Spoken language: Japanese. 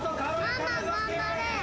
ママ頑張れ。